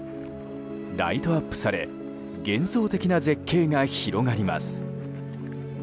ライトアップされ幻想的な絶景が広がります。